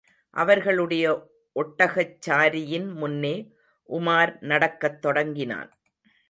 அவர்களுடைய ஒட்டகச்சாரியின் முன்னே உமார் நடக்கத் தொடங்கினான்.